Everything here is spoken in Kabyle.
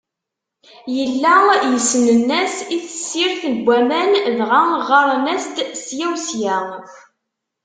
Yella yessnen-as i tessirt n waman, dɣa ɣɣaren-as-d ssya u ssya.